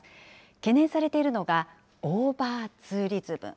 懸念されているのが、オーバーツーリズム。